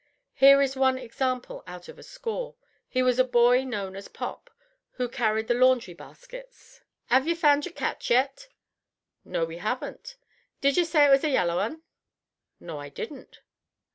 Here is one example out of a score. He was a boy known as Pop, who carried the laundry baskets. "'Ave yer found yer cat yet?" "No, we haven't." "Did yer say it was a yaller 'un?" "No, I didn't."